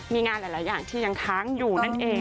มีงานหลายอย่างที่ยังค้างอยู่